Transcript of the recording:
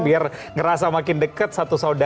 biar ngerasa makin dekat satu saudara